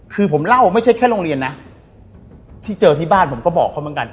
คือผมเล่าไม่ใช่แค่โรงเรียนนะที่เจอที่บ้านผมก็บอกเขาเหมือนกัน